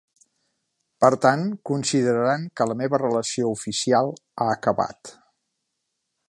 Per tant, consideraran que la meva relació oficial ha acabat.